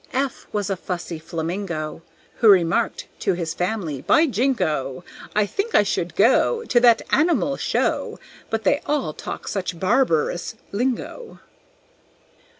F was a fussy Flamingo, Who remarked to his family, "By jingo! I think I would go To that animal show, But they all talk such barbarous lingo."